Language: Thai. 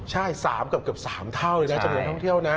ใช่๓เกือบ๓เท่าเลยนะจำนวนท่องเที่ยวนะ